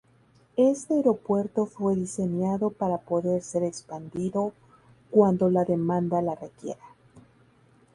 Este aeropuerto fue diseñado para poder ser expandido cuando la demanda la requiera.